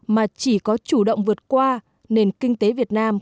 mà chỉ có chủ động vượt qua nền kinh tế việt nam